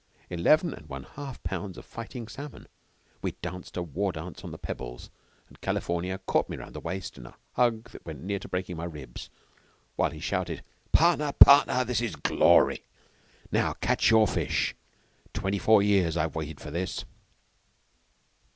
Eleven and one half pounds of fighting salmon! We danced a war dance on the pebbles, and California caught me round the waist in a hug that went near to breaking my ribs, while he shouted: "Partner! Partner! This is glory! Now you catch your fish! Twenty four years I've waited for this!"